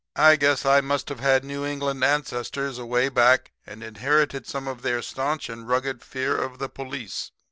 I guess I must have had New England ancestors away back and inherited some of their stanch and rugged fear of the police.